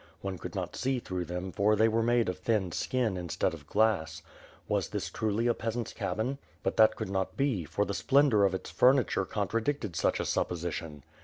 One could not see through them for they were made of thin skin instead of glass. Was this truly a peasant's cabin. But that could not be, for the splendor of its furniture contradicted such a supposition.